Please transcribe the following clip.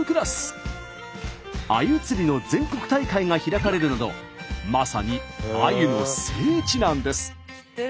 あゆ釣りの全国大会が開かれるなどまさにあゆの聖地なんです。